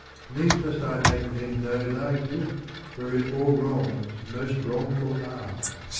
Needs must I make men know Thy guilt, wherein all wrongs most wrong ful are.